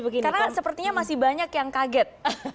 karena sepertinya masih banyak yang kaget